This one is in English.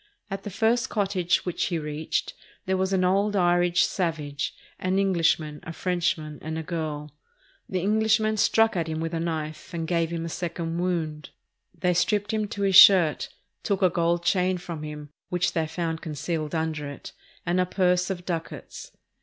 At the first cottage which he reached, there was an old Irish "savage," an Englishman, a Frenchman, and a girl. The Enghshman struck at him with a knife and gave him a second wound. They stripped him to his shirt, took a gold chain from him, which they found concealed under it, and a purse of ducats.